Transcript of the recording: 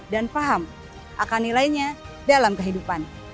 dan paham akan nilainya dalam kehidupan